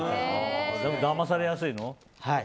でもだまされやすいの？